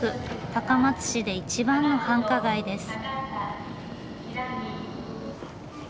高松市で一番の繁華街です。